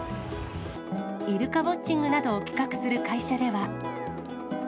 イルカウォッチングなどを企画する会社では。